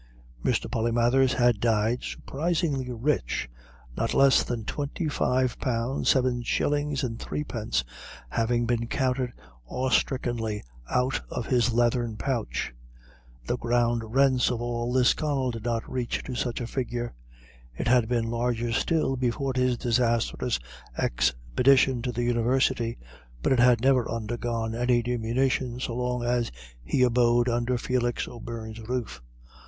Mr. Polymathers had died surprisingly rich, not less than twenty five pounds, seven shillings and threepence having been counted awestrickenly out of his leathern pouch. The ground rents of all Lisconnel did not reach to such a figure. It had been larger still before his disastrous expedition to the University; but it had never undergone any diminution so long as he abode under Felix O'Beirne's roof.